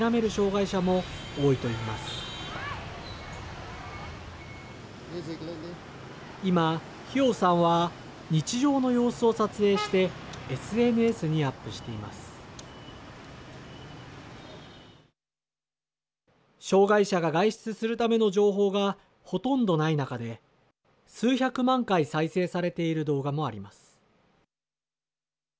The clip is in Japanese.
障害者が外出するための情報がほとんどない中で数百万回再生されている動画もあります。